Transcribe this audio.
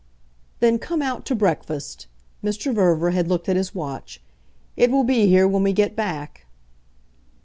"Then come out to breakfast." Mr. Verver had looked at his watch. "It will be here when we get back."